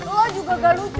lo juga gak lucu